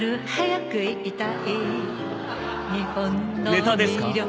ネタですか？